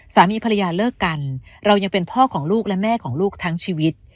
สามีภรรยาเลิกกันเรายังเป็นพ่อของลูกและแม่ของลูกทั้งชีวิต